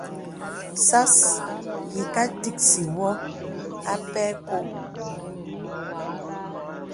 Sās yìkā dìksì wɔ̄ a pɛ kɔ̄.